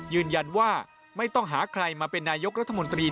ยืนยันว่าไม่ต้องหาใครมาเป็นนายกรัฐมนตรี